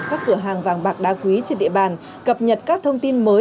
các cửa hàng vàng bạc đá quý trên địa bàn cập nhật các thông tin mới